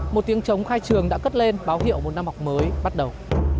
một tiếng trống khai trường đã cất lên báo hiệu một năm học mới bắt đầu